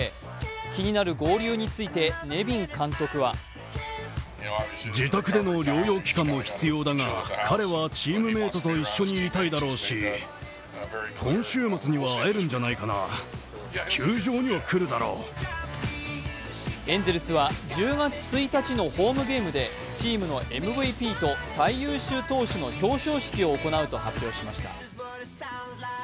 気になる合流について、ネビン監督はエンゼルスは１０月１日のホームゲームでチームのＭＶＰと最優秀投手の表彰式を行うと発表しました。